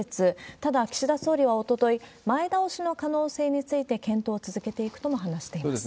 ただ、岸田総理はおととい、前倒しの可能性について検討を続けていくとも話しています。